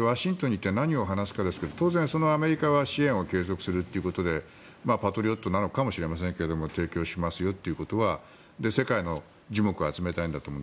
ワシントンに行って何を話すかですが当然、アメリカは支援を継続するということでパトリオットなのかもしれませんが提供しますよということは世界の耳目を集めたいんだと思うんです。